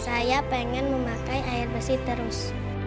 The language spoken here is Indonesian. saya pengen memakai air bersih terus